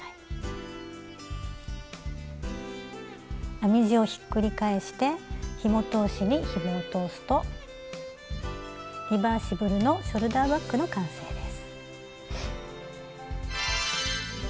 編み地をひっくり返してひも通しにひもを通すとリバーシブルのショルダーバッグの完成です。